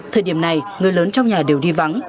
thời điểm này người lớn trong nhà đều đi vắng